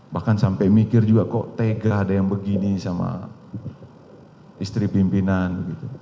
bahkan sampai mikir juga kok tega ada yang begini sama istri pimpinan